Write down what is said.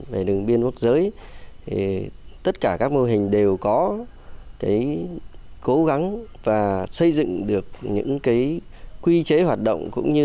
các thôn biên giới tự quản tất cả các mô hình đều có cố gắng và xây dựng được những quy chế hoạt động